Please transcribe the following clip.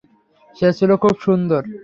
সে ছিল খুব সুন্দর।